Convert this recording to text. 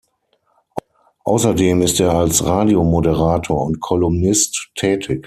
Außerdem ist er als Radiomoderator und Kolumnist tätig.